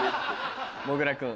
もぐら君。